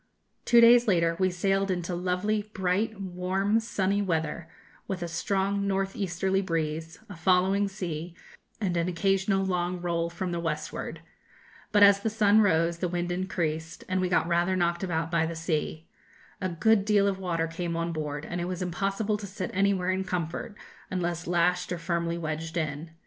Two days later we sailed into lovely, bright, warm, sunny weather, with a strong north easterly breeze, a following sea, and an occasional long roll from the westward. But as the sun rose, the wind increased, and we got rather knocked about by the sea. A good deal of water came on board, and it was impossible to sit anywhere in comfort, unless lashed or firmly wedged in.